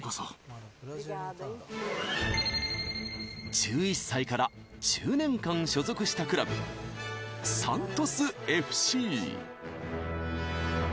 １１歳から１０年間所属したクラブサントスＦＣ。